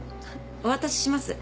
お渡しします。